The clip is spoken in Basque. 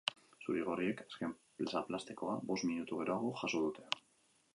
Zuri-gorriek azken zaplastekoa bost minutu geroago jaso dute.